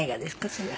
それは。